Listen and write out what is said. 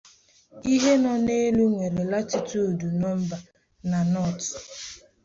Ihe no n'elu nwere latitude no na "North".